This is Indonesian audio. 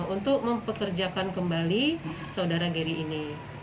untuk mempekerjakan kembali saudara geri ini